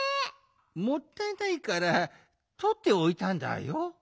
もったいないからとっておいたんだよ。